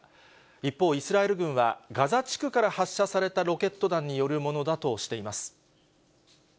一方イスラエル軍は、ガザ地区から発射されたロケット弾によるものだとしています。